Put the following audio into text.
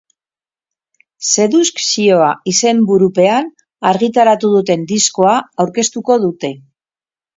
Sedukzioa izenburupean argitaratu duten diskoa aurkeztuko dute.